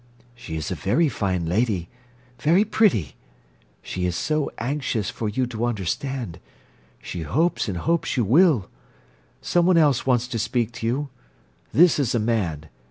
She is a very fine lady. Very pretty. She is so anxious for you to understand. She hopes and hopes you will. Someone else wants to speak to you. This is a man.